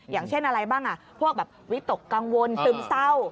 อย่างเช่นอะไรบ้างพวกแบบวิตกกังวลซึมเศร้า